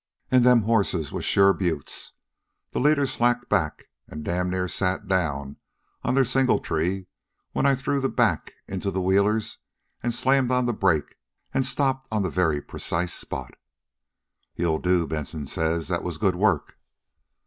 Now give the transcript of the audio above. An' them horses was sure beauts. The leaders slacked back an' darn near sat down on their singletrees when I threw the back into the wheelers an' slammed on the brake an' stopped on the very precise spot. "'You'll do,' Benson says. 'That was good work.'